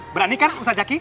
berani kan ustadz zaky